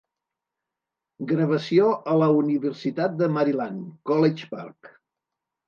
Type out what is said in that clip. Gravació a la Universitat de Maryland, College Park.